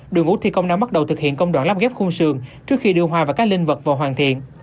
đường úc thi công đã bắt đầu thực hiện công đoạn lắp ghép khuôn sườn trước khi đường hoa và các linh vật vào hoàn thiện